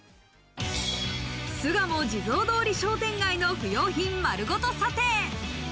巣鴨地蔵通り商店街の不用品、丸ごと査定。